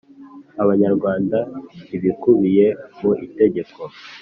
Abanyarwanda ibikubiye mu itegeko